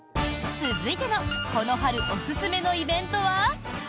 続いてのこの春おすすめのイベントは。